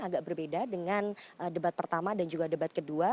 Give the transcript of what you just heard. agak berbeda dengan debat pertama dan juga debat kedua